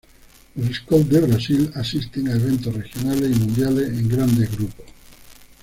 Los Scouts de Brasil asisten a eventos regionales y mundiales en grandes grupos.